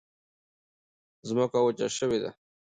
ځمکه وچه شوې ده.